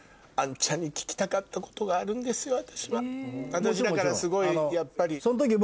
私だからすごいやっぱり。